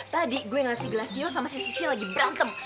tadi gue ngeliat si gilesio sama si sissy lagi berantem